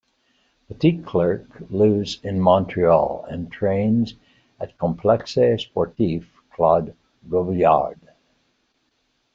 Petitclerc lives in Montreal, and trains at Complexe sportif Claude-Robillard.